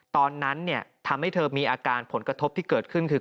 ตอนนั้นเนี่ยทำให้เธอมีอาการผลกระทบที่เกิดขึ้นคือ